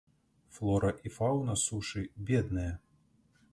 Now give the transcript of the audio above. Флора і фаўна сушы бедныя.